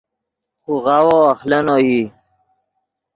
خوغاوو اخلینو ای